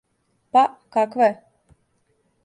Па, каква је?